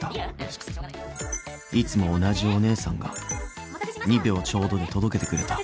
［いつも同じお姉さんが２秒ちょうどで届けてくれた］